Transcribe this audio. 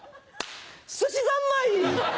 すしざんまい！